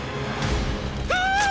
ああ！